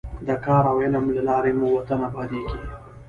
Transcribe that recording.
د کار او علم له لارې مو وطن ابادېږي.